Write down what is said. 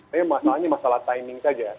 jadi masalahnya masalah timing saja